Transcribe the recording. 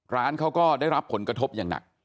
ร้านเขาก็ได้รับผลกระทบอย่างหนัก